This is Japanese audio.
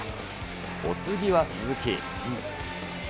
お次は鈴木。